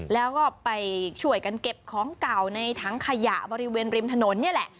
แล้วก็ไปช่วยกันเก็บของเก่าในถังขยะบริเวณริมถนนนี่แหละ